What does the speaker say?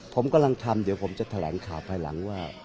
ผมกำลังทำเดี๋ยวผมจะแถลงข่าวภายหลังว่า